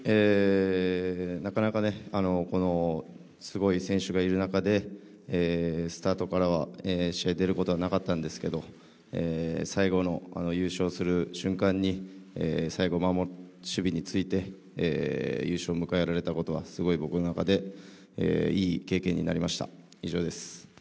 なかなかこのすごい選手がいる中でスタートから試合、出ることはなかったんですけど、最後の優勝する瞬間に最後守備について、優勝を迎えられたことはすごい僕の中でいい経験になりました。